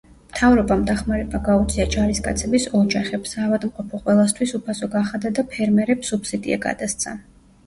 მთავრობამ დახმარება გაუწია ჯარისკაცების ოჯახებს, საავადმყოფო ყველასთვის უფასო გახადა და ფერმერებს სუბსიდია გადასცა.